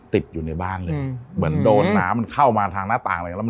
ติดอยู่ในบ้านเลยเหมือนโดนน้ำมันเข้ามาทางหน้าต่างอะไรแล้ว